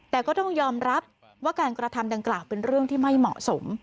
แต่ก็ต้องยอมรับว่าการกระทำดังกล่าวเป็นเรื่องที่ไม่เหมาะสม